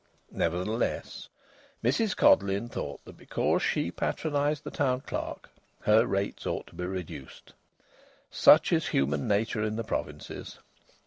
Nevertheless, Mrs Codleyn thought that because she patronised the Town Clerk her rates ought to be reduced! Such is human nature in the provinces!